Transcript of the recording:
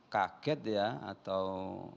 kaget ya atau